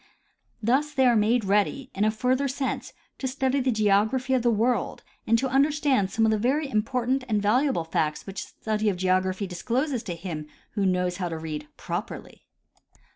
Thus are the}^ made ready, in a further sense, to study the geography of the world and to understand some of the very im portant and valuable facts which the study of geography dis closes to him who knows how to read properly.